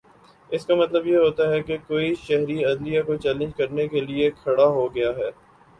اس کا مطلب یہ ہوتا ہے کہ کوئی شہری عدلیہ کو چیلنج کرنے کے لیے کھڑا ہو گیا ہے